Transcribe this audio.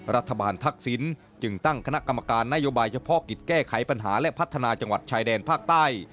ทักษิณจึงตั้งคณะกรรมการนโยบายเฉพาะกิจแก้ไขปัญหาและพัฒนาจังหวัดชายแดนภาคใต้